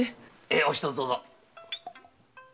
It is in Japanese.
おひとつどうぞ。